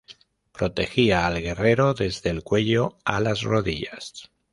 Protegía al guerrero desde el cuello a las rodillas.